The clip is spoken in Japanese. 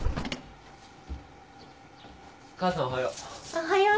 母さんおはよう。